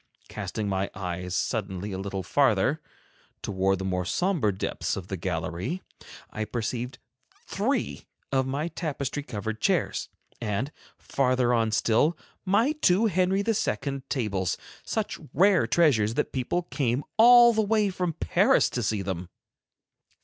Casting my eyes suddenly a little farther, toward the more somber depths of the gallery, I perceived three of my tapestry covered chairs; and farther on still, my two Henry II. tables, such rare treasures that people came all the way from Paris to see them.